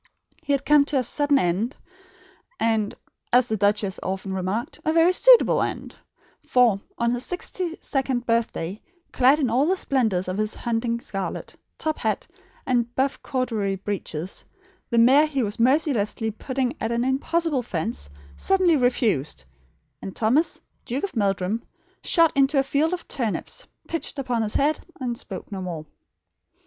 He had come to a sudden and, as the duchess often remarked, very suitable end; for, on his sixty second birthday, clad in all the splendours of his hunting scarlet, top hat, and buff corduroy breeches, the mare he was mercilessly putting at an impossible fence suddenly refused, and Thomas, Duke of Meldrum, shot into a field of turnips; pitched upon his head, and spoke no more.